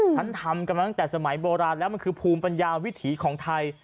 ฉันทำกันมาตั้งแต่สมัยโบราณแล้วมันคือภูมิปัญญาวิถีของไทย